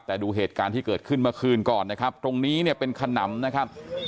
แต่ดูเหตุการณ์ที่เกิดขึ้นเมื่อคืนก่อนนะครับตรงนี้เนี่ยเป็นขนำนะครับ